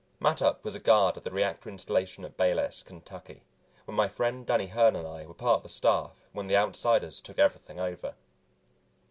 Mattup was a guard at the reactor installation at Bayless, Kentucky, where my friend Danny Hern and I were part of the staff when the Outsiders took everything over.